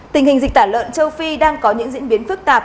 tình hình dịch tả lợn châu phi đang có những diễn biến phức tạp